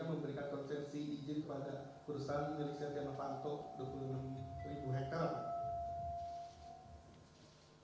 yang memberikan konsensi ijin kepada perusahaan indonesia yang mepantau dua puluh enam hektare